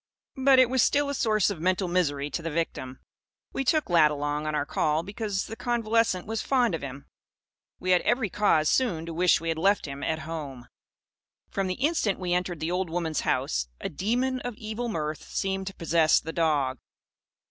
But it was still a source of mental misery to the victim. We took Lad along, on our call, because the convalescent was fond of him. We had every cause, soon, to wish we had left him at home. From the instant we entered the old woman's house, a demon of evil mirth seemed to possess the dog.